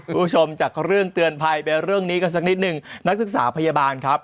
คุณผู้ชมจากเรื่องเตือนภัยไปเรื่องนี้กันสักนิดหนึ่งนักศึกษาพยาบาลครับ